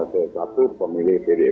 satu pemilih pdip